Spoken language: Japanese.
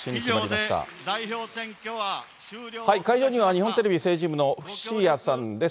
スタジオには日本テレビ政治部のふしやさんです。